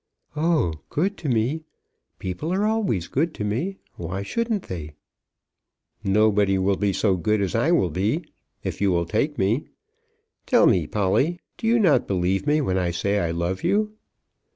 "Oh, good to me! People are always good to me. Why shouldn't they?" "Nobody will be so good as I will be, if you will take me. Tell me, Polly, do you not believe me when I say I love you?"